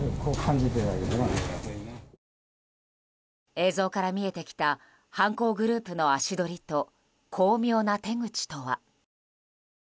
映像から見えてきた犯行グループの足取りと巧妙な手口とは。